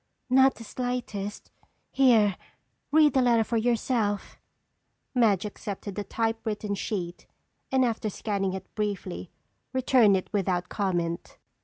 "Not the slightest. Here, read the letter for yourself." Madge accepted the typewritten sheet and after scanning it briefly, returned it without comment.